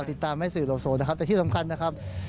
ติดตามให้สื่อโลโซนะครับแต่ที่สำคัญนะครับ